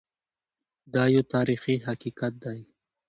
دا یو تاریخي حقیقت دی.